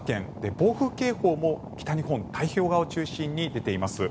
暴風警報も北日本太平洋側を中心に出ています。